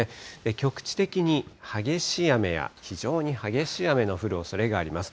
局地的に激しい雨や、非常に激しい雨の降るおそれがあります。